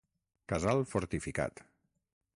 Casal fortificat.